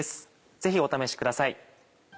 ぜひお試しください。